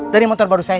dari motor baru saya